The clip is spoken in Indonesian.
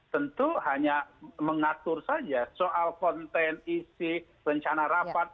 tentu hanya mengatur saja soal konten isi rencana rapat